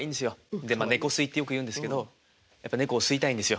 でまあ「猫吸い」ってよく言うんですけどやっぱ猫を吸いたいんですよ。